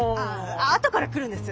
あとから来るんです！